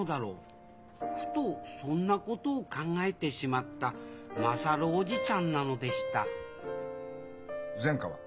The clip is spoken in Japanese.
ふとそんなことを考えてしまった優叔父ちゃんなのでした前科は？